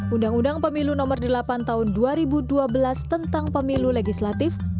undang undang pemilu nomor delapan tahun dua ribu dua belas tentang pemilu legislatif